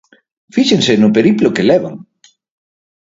Fíxense no periplo que levan.